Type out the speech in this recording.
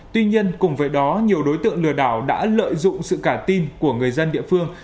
tuy nhiên cùng với đó nhiều đối tượng lừa đảo đã lợi dụng sự cả tin của người dân địa phương